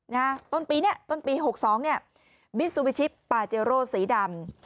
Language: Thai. นะฮะต้นปีเนี้ยต้นปีหกสองเนี่ยมิซูบิชิปปาเจโร่สีดำ